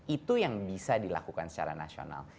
itu yang bisa dilakukan secara nasional